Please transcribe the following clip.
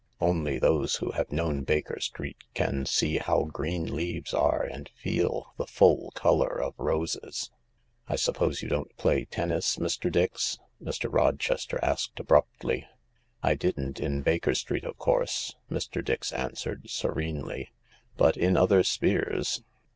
Only those who have known Baker Street can see how green leaves are and feel the full colour of roses." " I suppose you don't play tennis, Mr. Dix ?" Mr. Rochester asked abruptly. " I didn't in Baker Street, of course," Mr. Dix answered serenely, " but in other spheres